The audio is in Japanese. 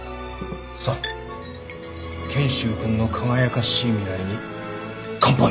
さっ賢秀君の輝かしい未来に乾杯！